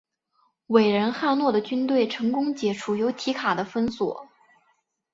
伟人汉诺的军队成功解除由提卡的封锁。